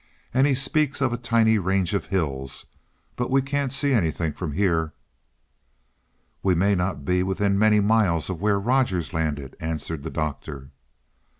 "And he speaks of a tiny range of hills; but we can't see anything from here." "We may not be within many miles of where Rogers landed," answered the Doctor.